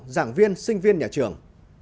giảng viên sinh viên nhà trường